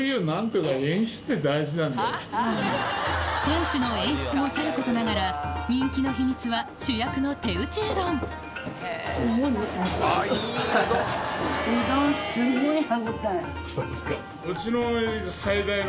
店主の演出もさることながら人気の秘密は主役の手打ちうどんすごいモチモチしてる。